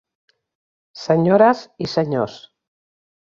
Senyores i senyors.